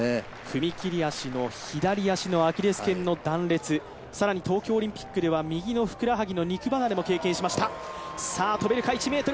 踏み切り足の左足のアキレスけんの断裂、更に東京オリンピックでは右のふくらはぎの肉離れも経験しました。